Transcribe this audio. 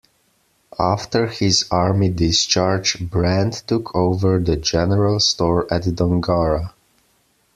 After his army discharge, Brand took over the general store at Dongara.